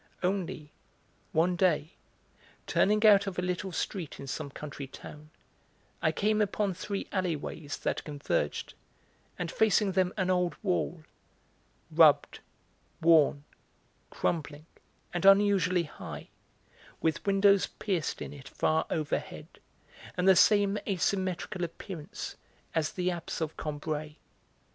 Only, one day, turning out of a little street in some country town, I came upon three alley ways that converged, and facing them an old wall, rubbed, worn, crumbling, and unusually high; with windows pierced in it far overhead and the same asymmetrical appearance as the apse of Combray.